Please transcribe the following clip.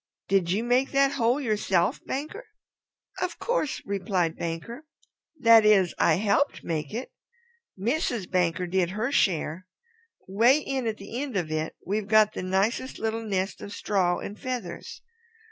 Did you make that hole yourself, Banker?" "Of course," replied Banker. "That is, I helped make it. Mrs. Banker did her share. 'Way in at the end of it we've got the nicest little nest of straw and feathers.